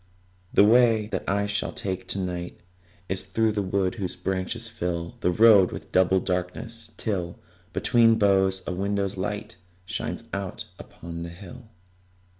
The way that I shall take to night Is through the wood whose branches fill The road with double darkness, till, Between the boughs, a window's light Shines out upon the hill.